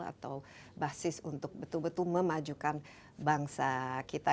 atau basis untuk betul betul memajukan bangsa kita